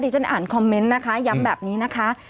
ฉันอ่านคอมเมนต์นะคะย้ำแบบนี้นะคะ